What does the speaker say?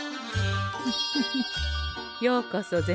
フフフようこそ銭